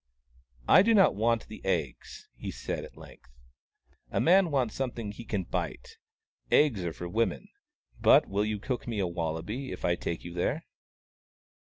" I do not want the eggs," he said, at length. " A man wants something he can bite — eggs are for women. But will you cook me a wallaby if I take you there